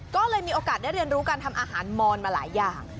ก็เลยมีโอกาสได้เรียนรู้การทำอาหารมอนมาหลายอย่าง